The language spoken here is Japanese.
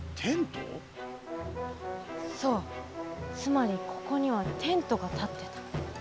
そうつまりここにはテントがたってた。